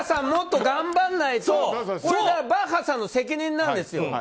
もっと頑張らないとこれがバッハさんの責任なんですよ。